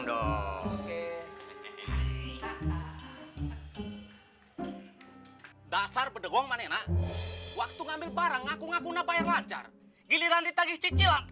dasar pedagang mana enak waktu ngambil barang ngaku ngaku nabayar lancar giliran ditagih cicilan